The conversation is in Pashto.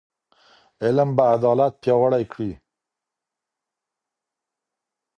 علم به عدالت پیاوړی کړي.